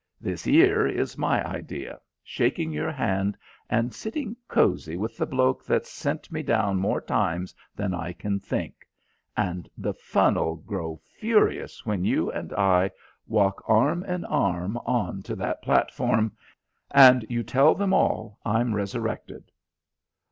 This 'ere is my idea shaking your hand and sitting cosy with the bloke that's sent me down more times than I can think. And the fun 'ull grow furious when you and I walk arm in arm on to that platform, and you tell them all I'm resurrected."